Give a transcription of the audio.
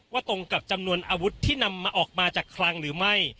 ตรงกับจำนวนอาวุธที่นำมาออกมาจากคลังหรือไม่